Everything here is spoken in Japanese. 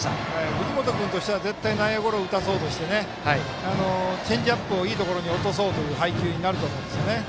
藤本君としては内野ゴロを打たせようとしてチェンジアップをいいところに落とそうという配球になると思うんですよね。